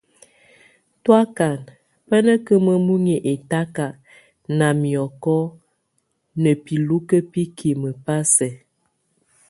Tu ákan bá nakʼ imuiny ɛtáka, na miɔkɔ na bilúke bikimek, bá sɛ.